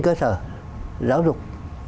cơ sở giáo dục